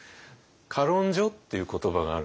「歌論書」っていう言葉があるんですね。